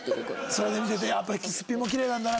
それで見せてやっぱりスッピンもキレイなんだな。